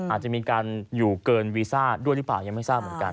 อาจจะมีการอยู่เกินวีซ่าด้วยหรือเปล่ายังไม่ทราบเหมือนกัน